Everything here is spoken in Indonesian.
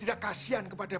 ayo kita keluar